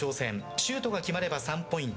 シュートが決まれば３ポイント。